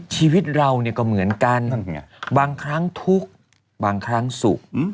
ชีวิตเราเนี่ยก็เหมือนกันบางครั้งทุกข์บางครั้งสุข